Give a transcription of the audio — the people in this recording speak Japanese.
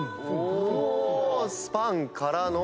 スパンからの。